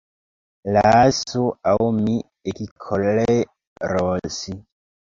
Lasu, aŭ mi ekkoleros!